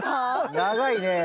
長いね。